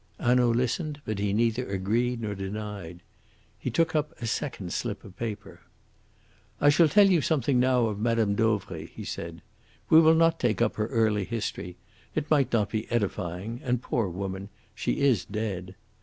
Hanaud listened, but he neither agreed nor denied. He took up a second slip of paper. "I shall tell you something now of Mme. Dauvray," he said. "We will not take up her early history. It might not be edifying and, poor woman, she is dead.